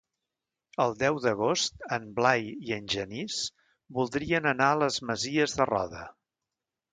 El deu d'agost en Blai i en Genís voldrien anar a les Masies de Roda.